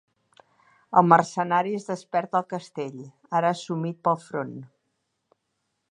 El mercenari es desperta al castell, ara assumit pel front.